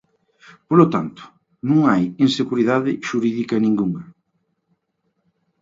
Polo tanto, non hai inseguridade xurídica ningunha.